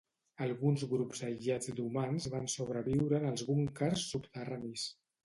Alguns grups aïllats d'humans van sobreviure en els búnquers subterranis